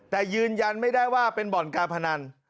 แต่ยืนยันไม่ได้ว่าเป็นบ่อนการพนัน